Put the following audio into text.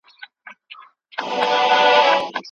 د علم مواد باید طبقه بندي سي.